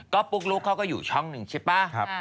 ก็ปุ๊กลุ๊กเขาก็อยู่ช่องหนึ่งใช่ป่ะ